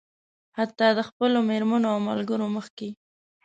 حتيٰ د خپلو مېرمنو او ملګرو مخکې.